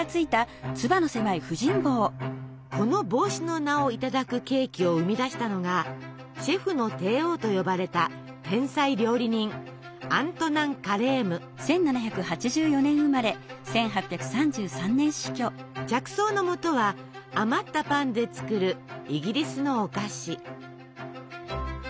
この帽子の名をいただくケーキを生み出したのが「シェフの帝王」と呼ばれた天才料理人着想のもとは余ったパンで作るイギリスのお菓子。